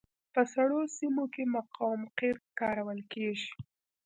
په سړو سیمو کې مقاوم قیر کارول کیږي